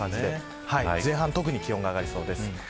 前半は特に気温が上がりそうです。